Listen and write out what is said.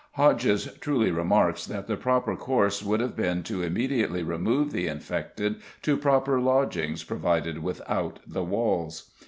Hodges truly remarks that the proper course would have been to immediately remove the infected to proper lodgings provided without the walls.